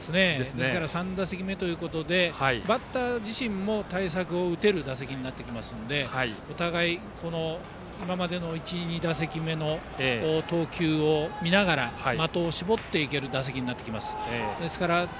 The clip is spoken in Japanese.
ですから３打席目ということでバッター自身も対策を打てる打席になってきますのでお互い、今までの１、２打席目の投球を見ながら的を絞っていける打席になっていきます。